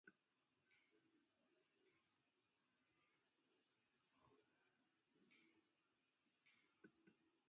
However, they persevered, learned from their mistakes, and continued to improve their invention.